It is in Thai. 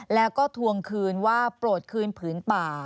แล้วก็ทวงคืนว่าโปรดคืนผืนป่า